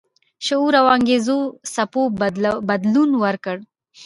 شعور او انګیزو څپو بدلون ورکړ.